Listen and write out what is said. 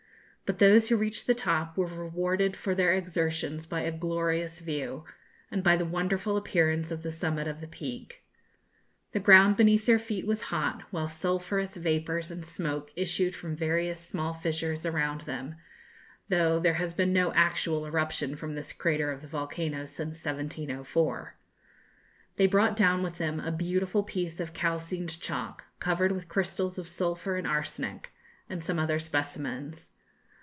But those who reached the top were rewarded for their exertions by a glorious view, and by the wonderful appearance of the summit of the Peak. The ground beneath their feet was hot, while sulphurous vapours and smoke issued from various small fissures around them, though there has been no actual eruption from this crater of the volcano since 1704. They brought down with them a beautiful piece of calcined chalk, covered with crystals of sulphur and arsenic, and some other specimens.